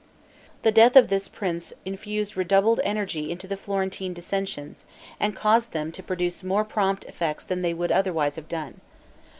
The death of this prince infused redoubled energy into the Florentine dissensions, and caused them to produce more prompt effects than they would otherwise have done.